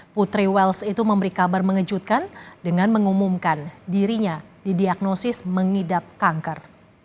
putri wels itu memberi kabar mengejutkan dengan mengumumkan dirinya didiagnosis mengidap kanker